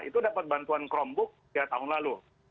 itu dapat bantuan chromebook sejak tahun lalu